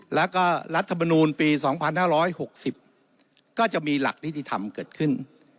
แล้วก็รัฐมนูลปี๒๕๖๐ก็จะมีหลักนิติธรรมเกิดขึ้น